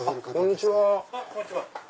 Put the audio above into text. こんにちは。